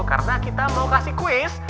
karena kita mau kasih kuis